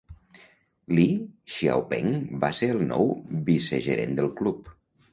Li Xiaopeng va ser el nou vicegerent del Club.